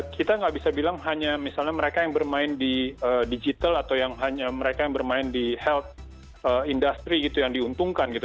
kita nggak bisa bilang hanya misalnya mereka yang bermain di digital atau yang hanya mereka yang bermain di health industry gitu yang diuntungkan gitu